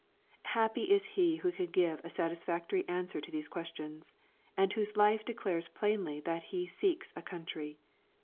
Happy is he who can give a satisfactory answei to these questions, and whose life declares plainly that he "seeks a country."